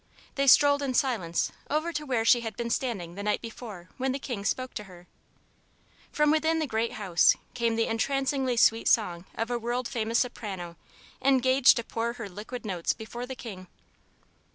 They strolled in silence over to where she had been standing the night before when the King spoke to her. From within the great house came the entrancingly sweet song of a world famous soprano engaged to pour her liquid notes before the King.